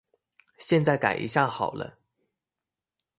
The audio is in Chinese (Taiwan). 現在改一下好了